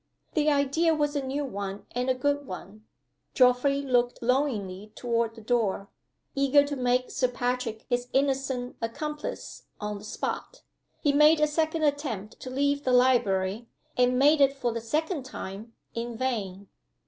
The idea was a new one and a good one. Geoffrey looked longingly toward the door. Eager to make Sir Patrick his innocent accomplice on the spot, he made a second attempt to leave the library; and made it for the second time in vain.